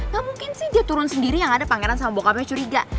gak mungkin sih dia turun sendiri yang ada pangeran sama bocapenya curiga